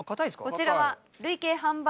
こちらは。